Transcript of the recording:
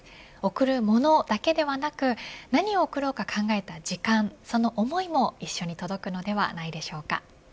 贈るものだけではなく何を贈ろうか考えた時間その思いも一緒に届くのではないでしょうか。